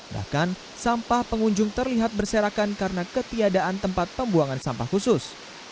bahkan sampah pengunjung terlihat berserakan karena ketiadaan tempat pembuangan sampah khusus